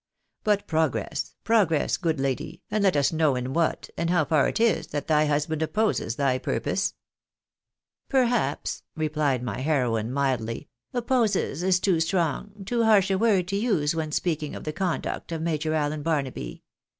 But progress, progress, good lady, and let us know in what, and how far it is, that thy husband opposes thy purpose ?"" Perhaps," replied my heroine, mildly, " opposes is too strong, too harsh a word to use when speaking of the conduct of Major Allen Barnaby.